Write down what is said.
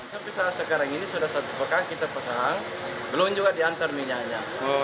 tapi saat sekarang ini sudah satu pekan kita pesan belum juga diantar minyaknya